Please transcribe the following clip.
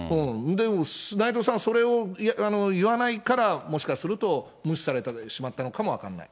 内藤さん、それを言わないから、もしかすると、無視されてしまったのかも分かんない。